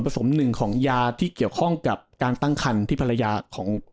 สมหนึ่งของยาที่เกี่ยวข้องกับการตั้งคันที่ภรรยาของ